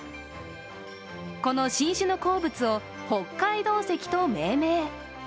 この新種の鉱物を北海道石と命名。